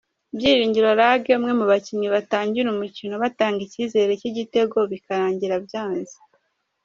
Byiringiro Lague umwe mu bakinnyi batangira umukino batanga icyizere cy'ibitego bikarangira byanze.